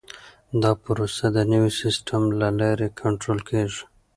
دا پروسه د نوي سیسټم له لارې کنټرول کیږي.